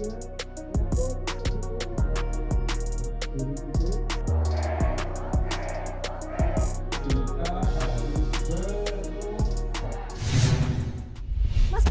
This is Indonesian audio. kita harus berusaha